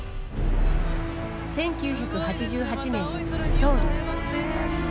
１９８８年、ソウル。